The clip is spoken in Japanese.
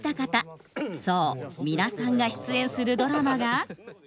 そう皆さんが出演するドラマが。